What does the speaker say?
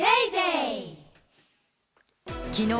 きのう